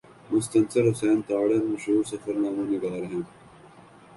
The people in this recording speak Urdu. مستنصر حسین تارڑ مشہور سفرنامہ نگار ہیں۔